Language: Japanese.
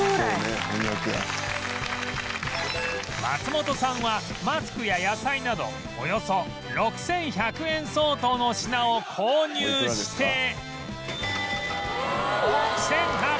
松本さんはマスクや野菜などおよそ６１００円相当の品を購入して